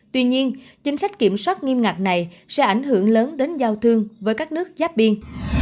tuy nhiên chính sách kiểm soát nghiêm ngặt này sẽ ảnh hưởng lớn đến giao thương với các nước giáp biên